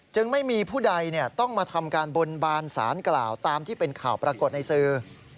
ไม่มีผู้ใดต้องมาทำการบนบานสารกล่าวตามที่เป็นข่าวปรากฏในสื่อ